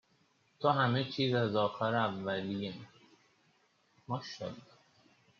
تو همه چیز از آخر اولیم ماشالا